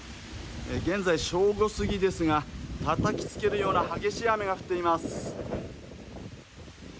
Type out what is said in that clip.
現在、正午過ぎですが、たたきつけるような激しい雨が降っています。